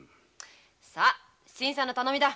さ新さんの頼みだ。